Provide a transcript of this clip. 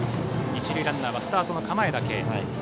一塁ランナーはスタートの構えだけ。